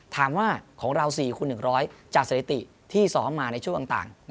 ถามว่าของเรา๔คูณ๑๐๐จากสถิติที่ซ้อมมาในช่วงต่าง